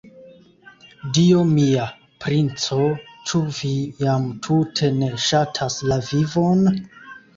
Dio mia, princo, ĉu vi jam tute ne ŝatas la vivon?